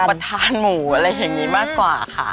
ประธานหมูอะไรอย่างนี้มากกว่าค่ะ